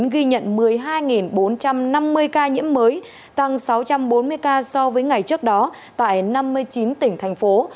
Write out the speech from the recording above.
ghi nhận một mươi hai bốn trăm năm mươi ca nhiễm mới tăng sáu trăm bốn mươi ca so với ngày trước đó tại năm mươi chín tỉnh thành phố